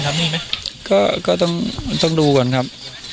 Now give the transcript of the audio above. ทำนี่แม่โไมก็ก็ต้องต้องดูก่อนครับ